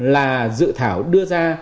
là dự thảo đưa ra